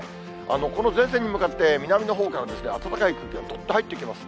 この前線に向かって、南のほうから暖かい空気がどっと入ってきます。